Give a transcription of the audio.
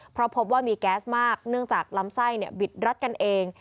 เพราะพบว่ามีแก๊สมากเนื่องจากลำไส้บิดรัดกันเอง